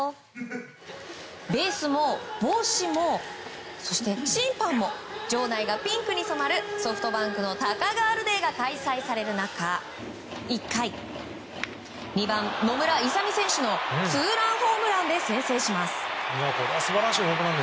ベースも帽子も審判も場内がピンクに染まるソフトバンクのタカガールデーが開催される中１回２番、野村勇選手のツーランホームランで先制します。